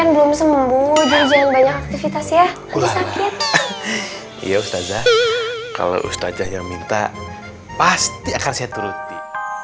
belum sembuh jangan banyak aktivitas ya iya kalau ustadz yang minta pasti akan saya turuti